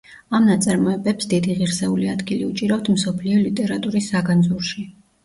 ამ ნაწარმოებებს დიდი ღირსეული ადგილი უჭირავთ მსოფლიო ლიტერატურის საგანძურში.